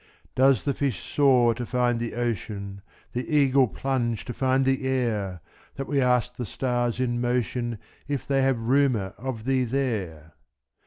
Does the fish soar to find the ocean, The eagle plunge to find the air That we ask of the stars in motion If they have rumour of thee there?